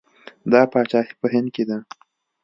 دا پاچاهي په هند کې ده.